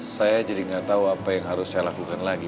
saya jadi nggak tahu apa yang harus saya lakukan lagi